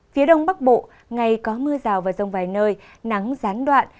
phía đông bắc bộ ngày có mưa rào và rông vài nơi nắng gián đoạn